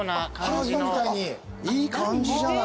いい感じじゃない。